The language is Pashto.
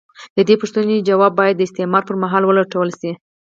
د دې پوښتنې ځواب باید د استعمار پر مهال ولټول شي.